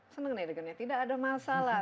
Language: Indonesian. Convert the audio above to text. seneng nih tidak ada masalah